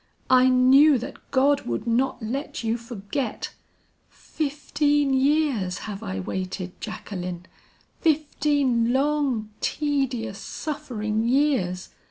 I knew that God would not let you forget! Fifteen years have I waited, Jacqueline! fifteen long, tedious, suffering years!